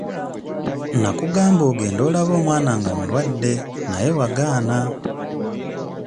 Nnakugamba ogende olabe omwana nga mulwadde naye wagaana.